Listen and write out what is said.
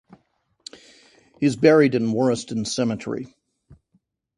He is buried in Warriston Cemetery.